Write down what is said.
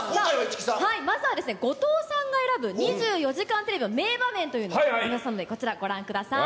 さあ、まずは、後藤さんが選ぶ２４時間テレビの名場面というのを、ありますんで、こちらご覧ください。